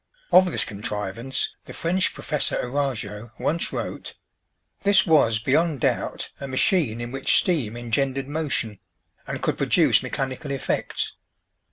Of this contrivance the French Professor Arago once wrote: "This was, beyond doubt, a machine in which steam engendered motion, and could produce mechanical effects.